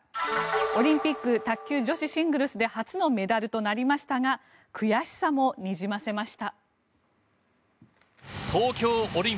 オリンピック卓球女子シングルスで初のメダルとなりましたが悔しさもにじませました。